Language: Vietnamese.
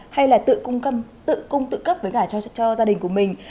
hay là tự cung tự cấp với cả cho gia đình của mình